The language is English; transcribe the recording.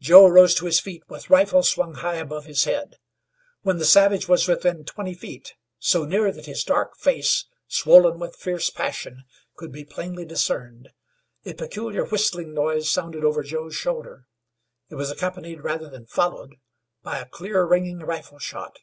Joe rose to his feet with rifle swung high above his head. When the savage was within twenty feet, so near that his dark face, swollen with fierce passion, could be plainly discerned, a peculiar whistling noise sounded over Joe's shoulder. It was accompanied, rather than followed, by a clear, ringing rifleshot.